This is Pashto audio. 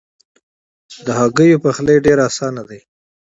هګۍ پخلی ډېر آسانه دی.